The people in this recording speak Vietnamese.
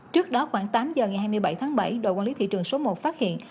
trước đó khoảng tám giờ ngày hai mươi bảy tháng bảy đội quản lý thị trường số một phát hiện